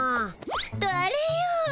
きっとあれよ。